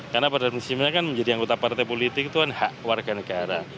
karena pada musimnya kan menjadi anggota partai politik itu kan hak warga negara